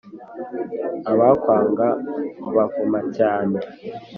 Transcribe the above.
abakwanga mbavuma cyane.